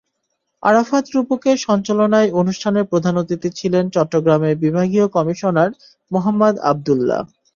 আরাফাত রূপকের সঞ্চালনায় অনুষ্ঠানে প্রধান অতিথি ছিলেন চট্টগ্রামের বিভাগীয় কমিশনার মোহাম্মদ আব্দুল্লাহ।